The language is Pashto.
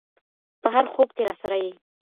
په هر خوب کي راسره یې